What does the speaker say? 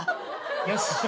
よし。